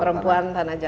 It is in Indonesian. perempuan tanah janja